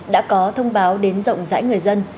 đã có thông báo đến rộng rãi người dân